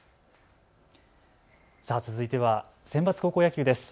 続いてはセンバツ高校野球です。